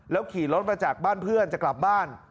ขี่รถมาจากบ้านเพื่อนจะกลับบ้าน